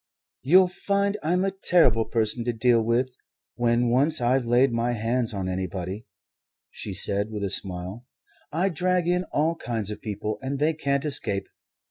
"You'll find I'm a terrible person to deal with when once I've laid my hands on anybody," she said with a smile. "I drag in all kinds of people, and they can't escape.